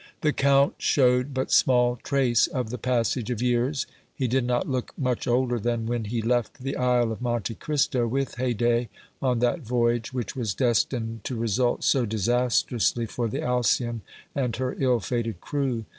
The Count showed but small trace of the passage of years; he did not look much older than when he left the Isle of Monte Cristo with Haydée on that voyage which was destined to result so disastrously for the Alcyon and her ill fated crew.